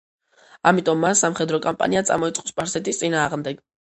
ამიტომ მან სამხედრო კამპანია წამოიწყო სპარსეთის წინააღმდეგ.